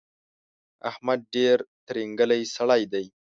احمد ډېر ترینګلی سړی دی.